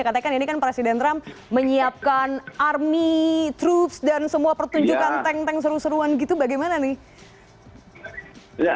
katanya kan ini kan presiden trump menyiapkan army troops dan semua pertunjukan tank tank seru seruan gitu bagaimana nih